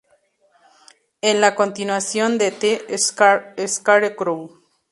Es la continuación de "The Scarecrow"